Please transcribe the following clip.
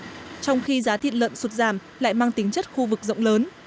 trong khi giá thịt lợn sụt giảm lại mang tính chất khu vực rộng lớn